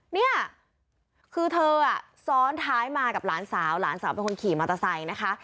เนี่ยคือเธอซ้อนท้ายมากับหลานสาวหลานสาวเป็นคนขี่มอเตอร์ไซค์นะคะ